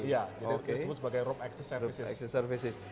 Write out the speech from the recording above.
iya disebut sebagai rope access services